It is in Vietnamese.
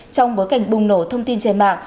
trong bối cảnh bùng nổ thông tin trên mạng